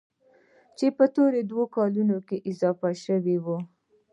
چې په تېرو دوو کلونو کې اضافه شوي وو.